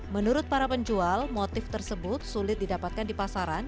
menurut para penjual motif tersebut sulit didapatkan di pasaran